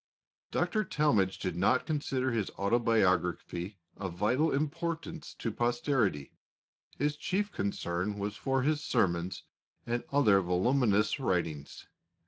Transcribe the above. Dr. Talmage did not consider his autobiography of vital importance to posterity; his chief concern was for his sermons and other voluminous writings.